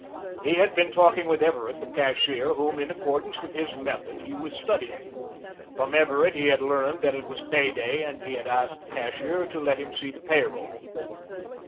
He had been talking with Everett, the cashier, whom, in accordance with his "method," he was studying. From Everett he had learned that it was pay day and he had asked the cashier to let him see the pay roll.